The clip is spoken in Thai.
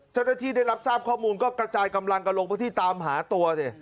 จนที่ได้รับทราบข้อมูลก็กระจายกำลังกระลงไปที่ตามหาตัวสิ